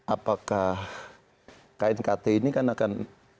apakah knkt ini akan